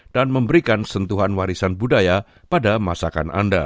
dan memberikan sentuhan warisan budaya pada masakan anda